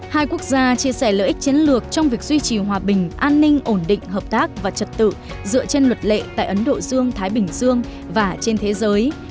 hai quốc gia chia sẻ lợi ích chiến lược trong việc duy trì hòa bình an ninh ổn định hợp tác và trật tự dựa trên luật lệ tại ấn độ dương thái bình dương và trên thế giới